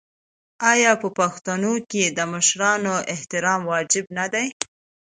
آیا په پښتونولۍ کې د مشرانو احترام واجب نه دی؟